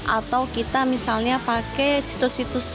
atau kita misalnya pakai situs situs